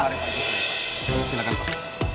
mari pak silakan pak